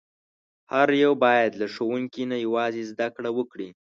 هر یو باید له ښوونکي نه یوازې زده کړه وکړي.